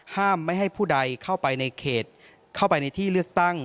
ห้ามไม่ให้ผู้ใดเข้าไปในเขตเข้าไปในที่เลือกตั้ง